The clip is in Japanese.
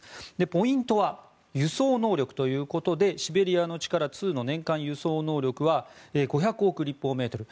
ポイントは輸送能力ということでシベリアの力２の年間輸送能力は５００億立方メートル。